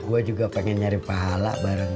gue juga pengen nyari pahala bareng